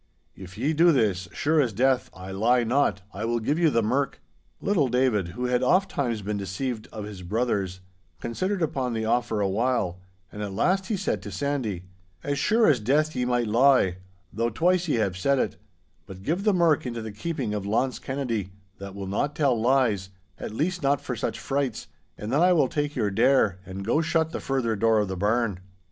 If ye do this, sure as death, I lie not, I will give you the merk.' Little David, who had ofttimes been deceived of his brothers, considered upon the offer a while, and at last he said to Sandy,— 'As sure as death ye might lie, though twice ye have said it; but give the merk into the keeping of Launce Kennedy, that will not tell lies, at least not for such freits, and then I will take your dare, and go shut the further door of the barn.